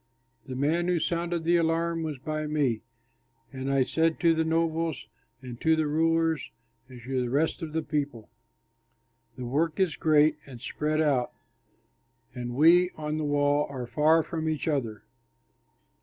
The man who sounded the alarm was by me; and I said to the nobles and to the rulers and to the rest of the people, "The work is great and spread out, and we on the wall are far from each other.